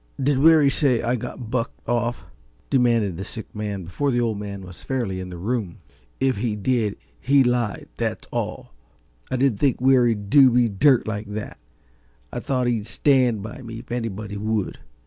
"Did Weary say I got bucked off?" demanded the sick man before the Old Man was fairly in the room. "If he did, he lied, that's all. I didn't think Weary'd do me dirt like that I thought he'd stand by me if anybody would.